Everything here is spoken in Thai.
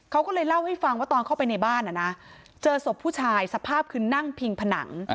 เขาก็เลยเล่าให้ฟังว่าตอนเข้าไปในบ้านเจอศพผู้ชายสภาพคือนั่งพิงผนัง